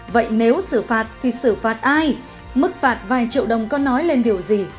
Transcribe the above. vậy nếu sự phạt thì sự phạt ai mức phạt vài triệu đồng có nói lên điều gì